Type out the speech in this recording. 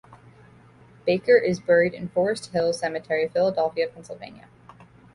Baker is buried in Forest Hills Cemetery, Philadelphia, Pennsylvania.